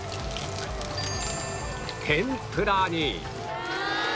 天ぷらに